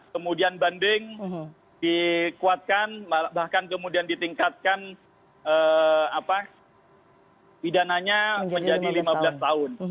kemudian banding dikuatkan bahkan kemudian ditingkatkan pidananya menjadi lima belas tahun